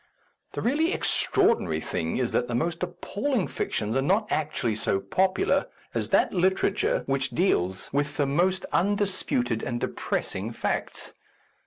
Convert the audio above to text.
The really extraor dinary thing is that the most appalling fic tions are not actually so popular as that literature which deals with the most undis puted and depressing facts.